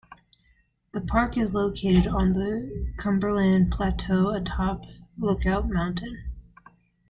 The park is located on the Cumberland Plateau, atop Lookout Mountain.